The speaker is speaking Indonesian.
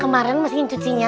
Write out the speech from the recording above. kemaren mesin cucinya